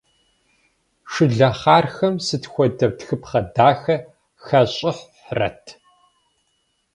Шылэхъархэм сыт хуэдэ тхыпхъэ дахэ хащӏыхьрэт.